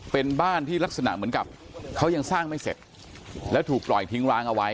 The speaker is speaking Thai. เป็นบ้านที่ลักษณะเหมือนกับเขายังสร้างไม่เสร็จแล้วถูกปล่อยทิ้งร้างเอาไว้